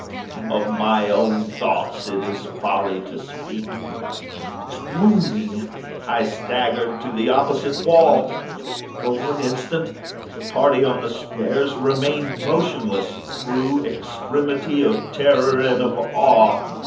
Of my own thoughts it is folly to speak. Swooning, I staggered to the opposite wall. For one instant the party upon the stairs remained motionless, through extremity of terror and of awe.